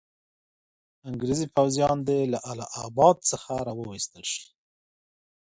انګریزي پوځیان دي له اله اباد څخه را وایستل شي.